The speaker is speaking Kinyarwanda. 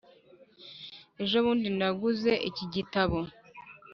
ejo bundi naguze iki gitabo.